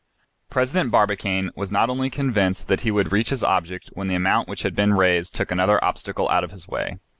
President Barbicane was not only convinced that he would reach his object when the amount which had been raised took another obstacle out of his way.